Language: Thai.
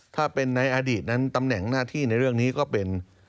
ถ้าเป็นในอดีตนั้นตำแหน่งหน้าที่ในเรื่องนี้ก็เป็น